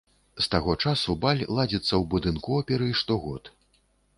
З таго часу баль ладзіцца ў будынку оперы штогод.